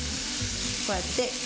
こうやって。